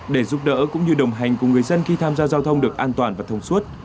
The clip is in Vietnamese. để giúp đỡ cũng như đồng hành cùng người dân khi tham gia giao thông được an toàn và thông suốt